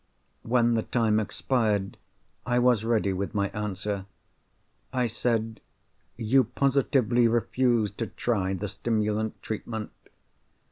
When the time expired, I was ready with my answer. I said, 'You positively refuse to try the stimulant treatment?